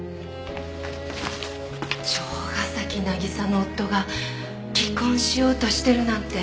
城ヶ崎渚の夫が離婚しようとしてるなんて。